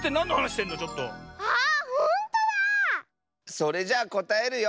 それじゃあこたえるよ。